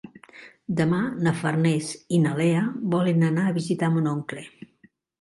Demà na Farners i na Lea volen anar a visitar mon oncle.